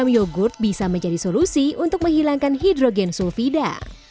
yogurt bisa menjadi solusi untuk menghilangkan hidrogen sulfida